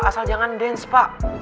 asal jangan dance pak